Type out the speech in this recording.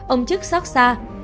ông chức xót xa